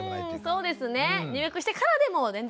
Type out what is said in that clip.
そうですね。入学してからでも全然。